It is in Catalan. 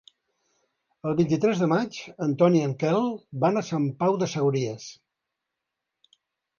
El vint-i-tres de maig en Ton i en Quel van a Sant Pau de Segúries.